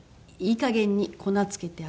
いいかげんに粉付けて揚げて。